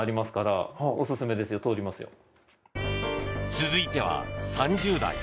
続いては、３０代。